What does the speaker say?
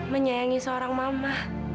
menyayangi seorang mama